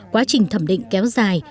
quá trình thẩm định kéo dài